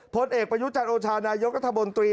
ผลเอกประยุจันทร์โอชานายกรัฐมนตรี